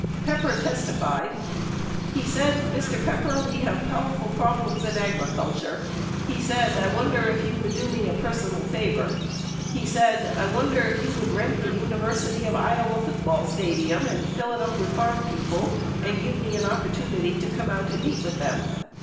Pepper testified, "... he said, 'Mr. Pepper, we have powerful problems in agriculture ...,' he said, 'I wonder if you would do me a personal favor ...,' he said, 'I wonder if you would rent the University of Iowa football stadium and fill it with farm people and give me an opportunity to come out and meet with (them)